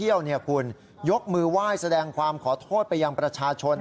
ยกมือไหว้แสดงความขอโทษไปยังประชาชน